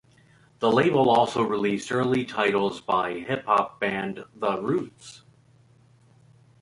The label also released early titles by hip hop band The Roots.